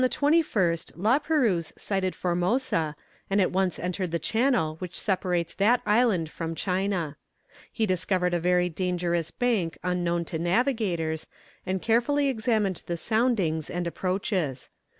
Upon the 21st La Perouse sighted Formosa, and at once entered the channel which separates that island from China. He discovered a very dangerous bank unknown to navigators, and carefully examined the soundings and approaches.